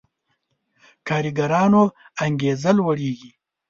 کارګرانو انګېزه لوړېږي.